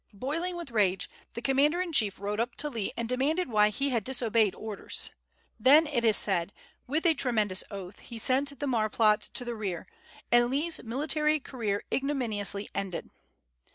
Boiling with rage, the commander in chief rode up to Lee and demanded why he had disobeyed orders. Then, it is said, with a tremendous oath he sent the marplot to the rear, and Lee's military career ignominiously ended.